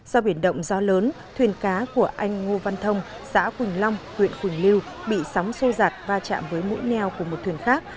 do biển động gió lớn thuyền cá của anh ngô văn thông xã quỳnh long huyện quỳnh lưu bị sóng sô rạt va chạm với mũi neo của một thuyền khác